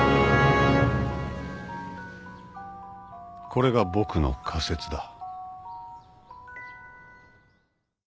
これが僕の仮説だ。